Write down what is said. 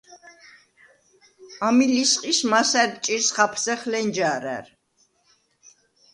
ამი ლისყის მასა̈რდ ჭირს ხაფსეხ ლენჯა̄რა̈რ.